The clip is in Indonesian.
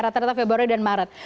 rata rata februari dan maret